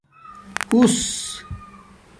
حݸس